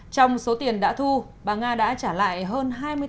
trong số tiền đã thu bà nga đã trả lại hơn hai trăm linh tỷ đồng